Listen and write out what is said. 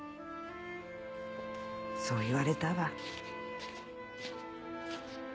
そう言われたわ。